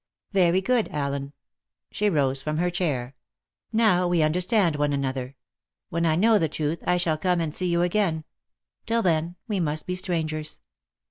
"Very good, Allen." She rose from her chair. "Now we understand one another. When I know the truth, I shall come and see you again. Till then, we must be strangers."